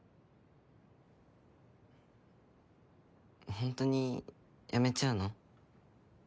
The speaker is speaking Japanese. ホントに辞めちゃうの？